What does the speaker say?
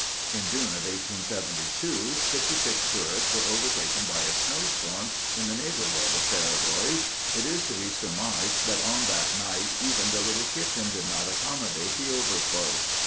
In June of 1872, fifty six tourists were overtaken by a snowstorm in the neighborhood of Peregoy's. It is to be surmised that on that night even the little kitchen did not accommodate the overflow.